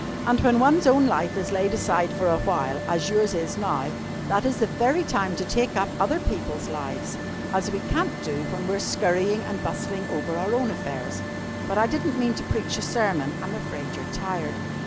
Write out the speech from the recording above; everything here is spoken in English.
And when one's own life is laid aside for a while, as yours is now, that is the very time to take up other people's lives, as we can't do when we are scurrying and bustling over our own affairs. But I didn't mean to preach a sermon. I'm afraid you're tired."